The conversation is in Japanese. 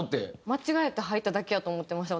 間違えて入っただけやと思ってました